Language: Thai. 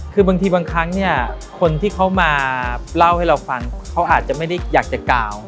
คือบางทีบางครั้งเนี่ยคนที่เขามาเล่าให้เราฟังเขาอาจจะไม่ได้อยากจะกล่าว